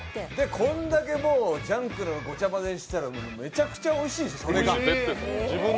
こんだけジャンクのごちゃまぜにしたら、そりゃおいしいでしょ。